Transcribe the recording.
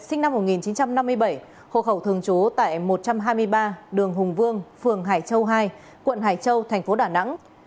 sinh năm một nghìn chín trăm năm mươi bảy hộ khẩu thường trú tại một trăm hai mươi ba đường hùng vương phường hải châu hai quận hải châu thành phố đà nẵng